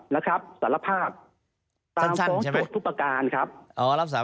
รับศาภาพรันต์สั้น